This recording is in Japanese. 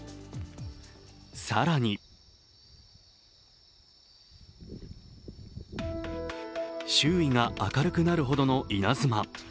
更に周囲が明るくなるほどの稲妻。